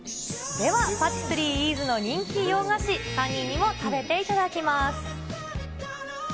そんなパティスリーイーズの人気洋菓子、３人にも食べていただきます。